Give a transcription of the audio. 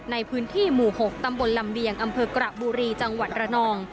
ในพื้นที่หมู่๖ตำบลลำเลียงอำเภอกระบุรีจังหวัดระนอง